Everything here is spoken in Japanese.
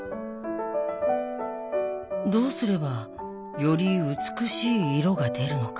どうすればより美しい色が出るのか？